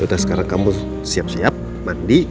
udah sekarang kamu siap siap mandi